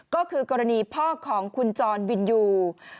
ก็คือกรณีพ่อของคุณจรวินยู